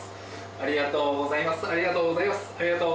ありがとうございます。